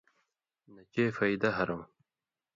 نہ چے فَیدہ ہرؤں۔